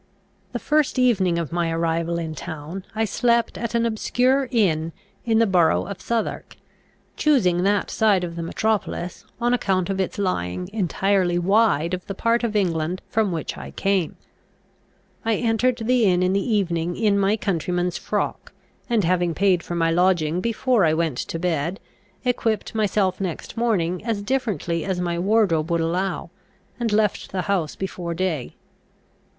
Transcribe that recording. The first evening of my arrival in town I slept at an obscure inn in the borough of Southwark, choosing that side of the metropolis, on account of its lying entirely wide of the part of England from which I came. I entered the inn in the evening in my countryman's frock; and, having paid for my lodging before I went to bed, equipped myself next morning as differently as my wardrobe would allow, and left the house before day.